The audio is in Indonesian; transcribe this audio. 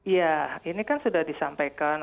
ya ini kan sudah disampaikan